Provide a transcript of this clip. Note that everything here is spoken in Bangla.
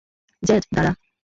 জ্যাজ, দাড়া।